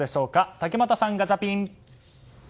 竹俣さん、ガチャピン。